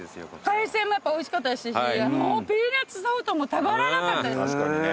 海鮮もおいしかったしピーナッツソフトもたまらなかったです。